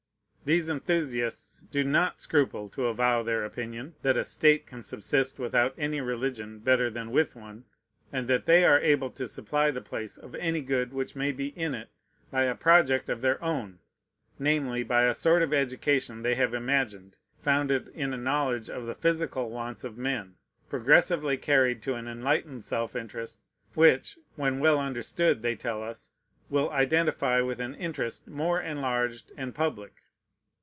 These enthusiasts do not scruple to avow their opinion, that a state can subsist without any religion better than with one, and that they are able to supply the place of any good which may be in it by a project of their own, namely, by a sort of education they have imagined, founded in a knowledge of the physical wants of men, progressively carried to an enlightened self interest, which, when well understood, they tell us, will identify with an interest more enlarged and public.